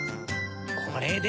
これで。